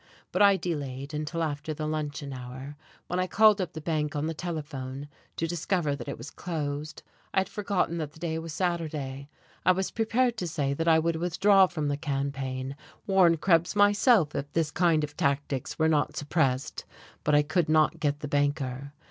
But I delayed until after the luncheon hour, when I called up the bank on the telephone, to discover that it was closed. I had forgotten that the day was Saturday. I was prepared to say that I would withdraw from the campaign, warn Krebs myself if this kind of tactics were not suppressed. But I could not get the banker.